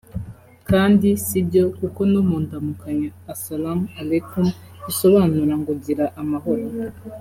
Kandi sibyo kuko no mu ndamukanyo ‘Assalamu ’Alaikum’ bisobanura ngo gira amahoro